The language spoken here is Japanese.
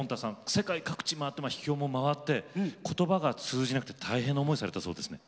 世界各地回って秘境も回って言葉が通じなくて大変な思いをされたそうですね。